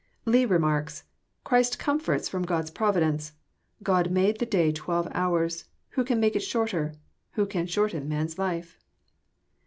Leigh remarks :'< Christ comforts ftom God*s providence. God made the day twelve hoars. Who can make it shorter? Who can shorten man's life?"